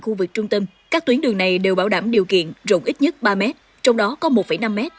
khu vực trung tâm các tuyến đường này đều bảo đảm điều kiện rộng ít nhất ba mét trong đó có một năm m